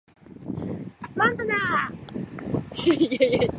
今は昔、竹取の翁というものありけり。